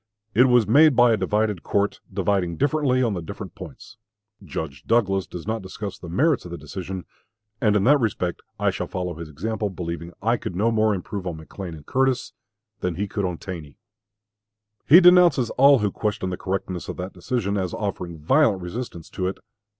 It was made by a divided court dividing differently on the different points. Judge Douglas does not discuss the merits of the decision, and in that respect I shall follow his example, believing I could no more improve on McLean and Curtis, than he could on Taney. He denounces all who question the correctness of that decision, as offering violent resistance to it.